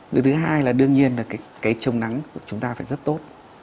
điều thứ hai là đương nhiên là cái trồng nắng của chúng ta phải rất tốt